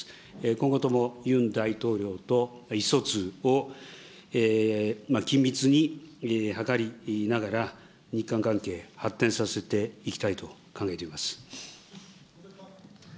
今後とも、ユン大統領と意思疎通を緊密に図りながら、日韓関係、発展させていきたいと考えています。